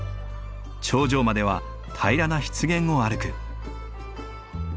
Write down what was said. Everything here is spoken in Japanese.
頂上までは平らな湿原を歩く。